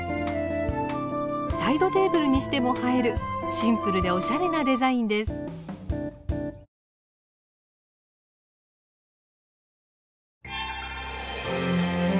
サイドテーブルにしても映えるシンプルでおしゃれなデザインです。